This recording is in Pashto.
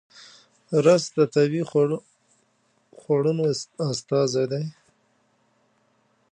رس د طبیعي خوړنو استازی دی